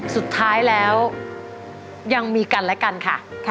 สุดท้ายแล้วยังมีกันและกันค่ะ